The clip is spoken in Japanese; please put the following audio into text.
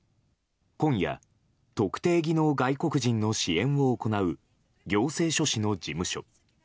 今夜特定技能外国人の支援を行う行政書士の事務所。